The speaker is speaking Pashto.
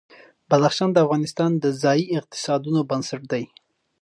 بدخشان د افغانستان د ځایي اقتصادونو بنسټ دی.